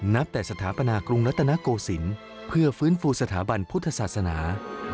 นับแต่สถาปนากรุงรัตนโกศิลป์เพื่อฟื้นฟูสถาบันพุทธศาสนา